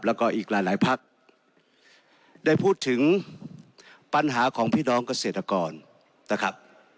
แล้วก็อีกหลายพักได้พูดถึงปัญหาของพี่น้องเกษตรกรนะครับ